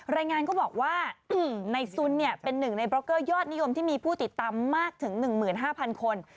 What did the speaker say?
รายงานก็บอกว่าในซุนเป็นหนึ่งในบล็อกเกอร์ยอดนิยมที่มีผู้ติดตามมากถึง๑๕๐๐คน